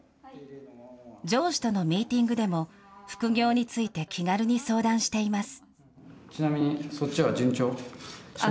上司とのミーティングでも、副業について気軽に相談しています。